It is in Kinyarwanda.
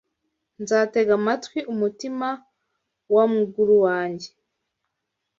Nzatega amatwi umutima wamguru wanjye